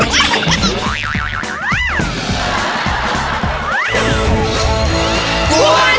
ความสุข